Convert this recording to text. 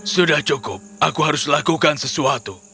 sudah cukup aku harus lakukan sesuatu